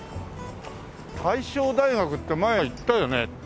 大正大学って前行ったよね？